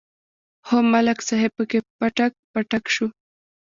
خو ملک صاحب پکې پټک پټک شو.